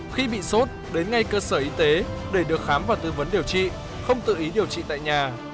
khi bị sốt đến ngay cơ sở y tế để được khám và tư vấn điều trị không tự ý điều trị tại nhà